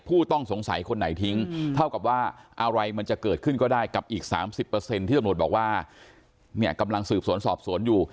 ผู้ต้องสงสัยคนไหนทิ้งเท่ากับว่าอะไรมันจะเกิดขึ้นก็ได้กับอีก๓๐ที่ตำรวจบอกว่าเนี่ยกำลังสืบสวนสอบสวนอยู่